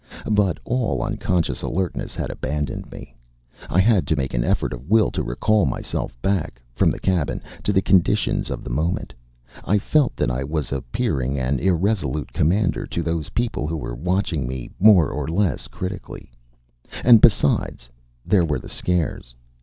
But all unconscious alertness had abandoned me. I had to make an effort of will to recall myself back (from the cabin) to the conditions of the moment. I felt that I was appearing an irresolute commander to those people who were watching me more or less critically. And, besides, there were the scares.